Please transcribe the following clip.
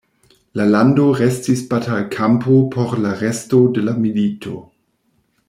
La lando restis batalkampo por la resto de la milito.